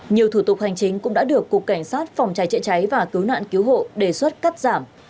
nhiều thủ tục hành chính cũng đã được cục cảnh sát phòng cháy chữa cháy và cứu nạn cứu hộ đề xuất cắt giảm